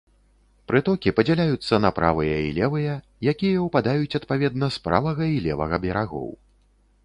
Прытокі падзяляюцца на правыя і левыя, якія ўпадаюць адпаведна з правага і левага берагоў.